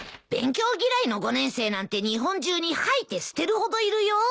勉強嫌いの５年生なんて日本中に掃いて捨てるほどいるよ。